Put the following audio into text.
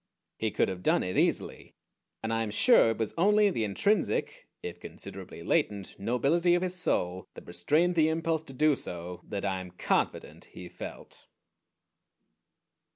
He could have done it easily, and I am sure it was only the intrinsic, if considerably latent, nobility of his soul that restrained the impulse to do so that I am confident he felt.